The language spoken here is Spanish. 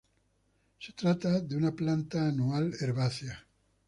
Se trata de una planta anual, herbácea.